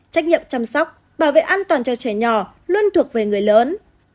trách nhiệm chăm sóc bảo vệ an toàn cho trẻ nhỏ luôn thuộc về người lớn